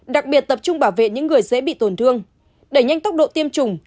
đặc biệt tập trung bảo vệ những người dễ bị tổn thương đẩy nhanh tốc độ tiêm chủng